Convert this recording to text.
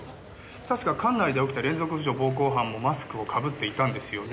確か管内で起きた連続婦女暴行犯もマスクを被っていたんですよね？